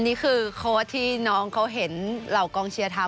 นี่คือโค้ดที่น้องเขาเห็นเหล่ากองเชียร์ทำ